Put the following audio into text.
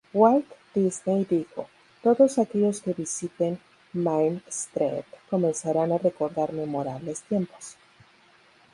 Walt Disney dijo, "todos aquellos que visiten Main Street, comenzarán a recordar memorables tiempos.